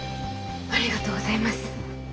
ありがとうございます。